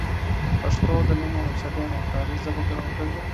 پښتو د مینې، حوصلې، او همکارۍ ژبه ګڼل کېږي.